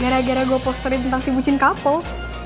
gara gara gue posterin tentang si mucin kapol